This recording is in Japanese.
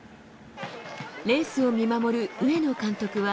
レースを見守る上野監督は。